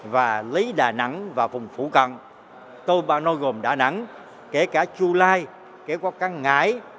và lấy đà nẵng và vùng phủ cận tôi bao nhiêu gồm đà nẵng kể cả chù lai kể cả quảng ngãi